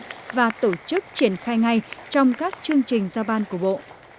bộ trưởng trần tuấn anh đề xuất cơ chế và tổ chức triển khai ngay trong các chương trình ra ban của bộ